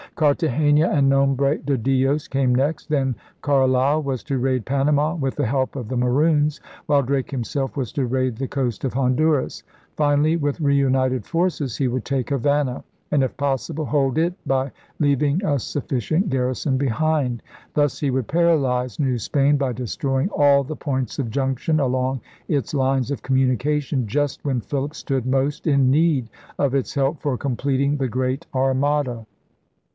Cartagena and Nombre de Dios came next. Then Carleill was to raid Panama, with the help of the Maroons, while Drake himself was to raid the coast of Honduras. Finally, with reunited forces, he would take Havana and, if possible, hold it by leaving a sufficient garrison behind. Thus he would paralyze New Spain by destroying all the points of junction along its lines of communica tion just when Philip stood most in need of its help for completing the Great Armada.